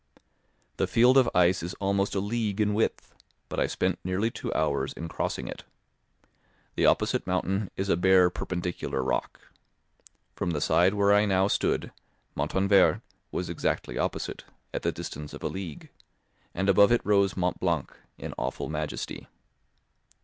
The field of ice is almost a league in width, but I spent nearly two hours in crossing it. The opposite mountain is a bare perpendicular rock. From the side where I now stood Montanvert was exactly opposite, at the distance of a league; and above it rose Mont Blanc, in awful majesty.